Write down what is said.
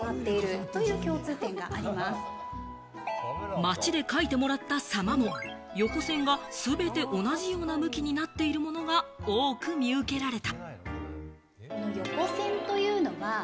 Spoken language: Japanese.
街で書いてもらった「様」も、横線が全て同じような向きになっているものが多く見受けられた。